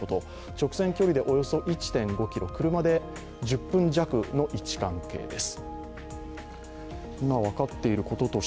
直線距離でおよそ１．５ｋｍ、車で１０分弱の位置関係です。